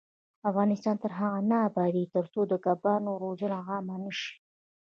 افغانستان تر هغو نه ابادیږي، ترڅو د کبانو روزنه عامه نشي.